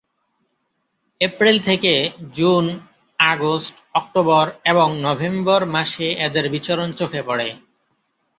April থেকে June, August, October এবং November মাসে এদের বিচরণ চোখে পড়ে।